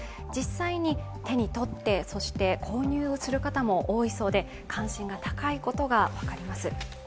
実際に、手に取ってそして購入する方も多いそうで関心が高いことが分かります。